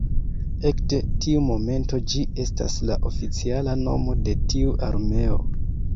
Ekde tiu momento ĝi estas la oficiala nomo de tiu armeo.